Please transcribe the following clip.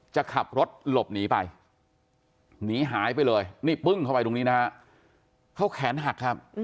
จะขับรถลดหนีไปหนีหายไปเลยเข้าแขนหัก